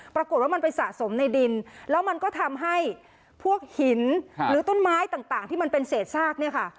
ปรากฏว่ามันไปสะสมในดินแล้วมันก็ทำให้พวกหินหรือต้นไม้ต่างที่มันเป็นเศษซากเนี่ยค่ะ